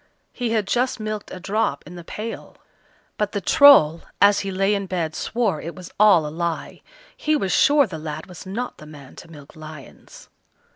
He had just milked a drop in the pail. But the Troll, as he lay in bed, swore it was all a lie. He was sure the lad was not the man to milk lions.